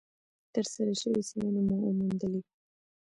ترسره شوې څېړنې وموندلې،